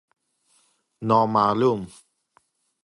نا معلوم